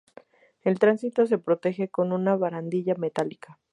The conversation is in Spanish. El tránsito se protege con una barandilla metálica.